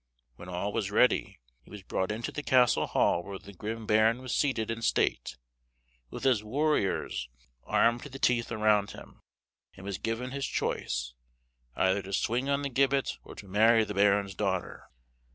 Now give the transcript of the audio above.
When all was ready, he was brought into the castle hall where the grim baron was seated in state, with his warriors armed to the teeth around him, and was given his choice, either to swing on the gibbet or to marry the baron's daughter.